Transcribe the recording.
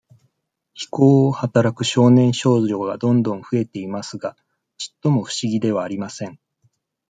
非行をはたらく少年少女がどんどん増えていますが、ちっとも、不思議ではありません。